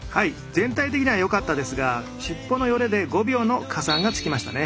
全体的にはよかったですが尻尾のよれで５秒の加算がつきましたね。